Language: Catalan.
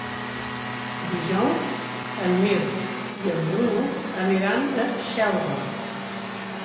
Dijous en Mirt i en Bru aniran a Xelva.